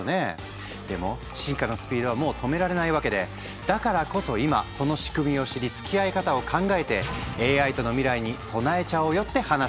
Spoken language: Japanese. でも進化のスピードはもう止められないわけでだからこそ今その仕組みを知りつきあい方を考えてＡＩとの未来に備えちゃおうよって話なのよ。